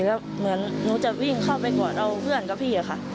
แล้วเหมือนหนูจะวิ่งเข้าไปกอดเอาเพื่อนกับพี่อะค่ะ